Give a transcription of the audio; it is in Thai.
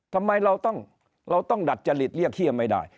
ทำไมเราต้องดัดจริตเรียกเฮียไม่ได้